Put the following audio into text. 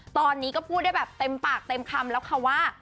ตอนนี้ก็พูดได้แบบเต็มปากเต็มคำแล้วค่ะว่า